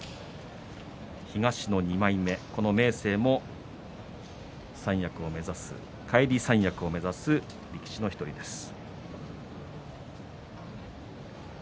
東の２枚目、この明生も返り三役を目指す力士の１人です。